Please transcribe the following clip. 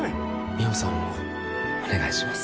海音さんをお願いします。